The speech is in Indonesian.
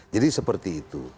jadi seperti itu